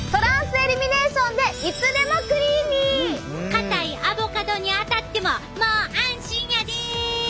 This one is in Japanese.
硬いアボカドに当たってももう安心やで！